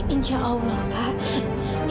insya allah kak